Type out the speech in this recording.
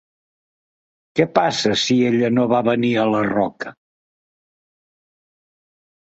Què passa si ella no va venir a la roca?